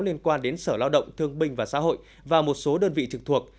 liên quan đến sở lao động thương binh và xã hội và một số đơn vị trực thuộc